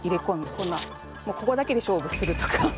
こんなもうここだけで勝負するとか。